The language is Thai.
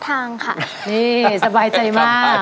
เพลงที่๖ของน้องข้าวหอมมาครับ